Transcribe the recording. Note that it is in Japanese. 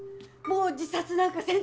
もう自殺なんかせんて。